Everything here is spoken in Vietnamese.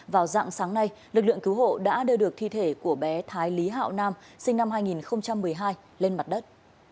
vào dạng sáng nay lực lượng cứu hộ đã đưa được thi thể của bé thái lý hạo nam sinh năm hai nghìn một mươi hai lên mặt đất